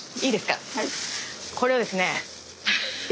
これをですね。